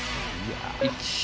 １。